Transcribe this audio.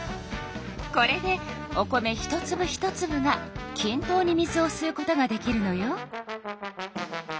これでお米一つぶ一つぶがきん等に水をすうことができるのよ。